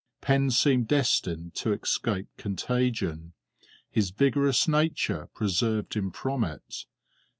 Pen seemed destined to escape contagion; his vigorous nature preserved him from it.